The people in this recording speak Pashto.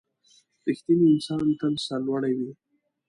• رښتینی انسان تل سرلوړی وي.